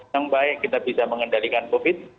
yang baik kita bisa mengendalikan covid